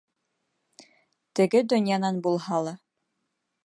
Теге донъянан булһа ла.